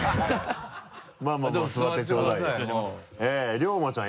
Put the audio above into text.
遼馬ちゃん